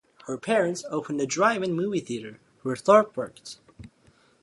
Her parents opened a drive-in movie theater, where Tharp worked.